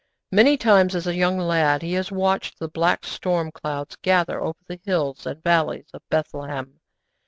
Many times as a young lad he had watched the black storm clouds gather over the hills and valleys of Bethlehem.